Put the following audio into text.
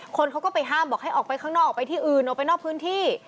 คนเขาก็ไปห้ามทำให้กลอกไปที่อื่นออกไปนอกพื้นที่